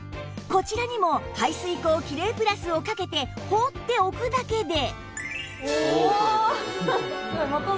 こちらにも排水口キレイプラスをかけて放っておくだけで